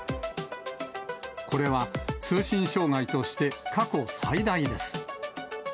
これは通信障害として過去最大です。